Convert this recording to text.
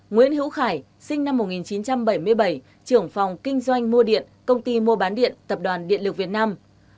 nguyễn hữu khải sinh năm một nghìn chín trăm bảy mươi bảy trưởng phòng kinh doanh mua điện công ty mua bán điện tập đoàn điện lực việt nam